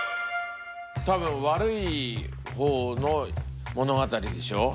多分悪い方の物語でしょ？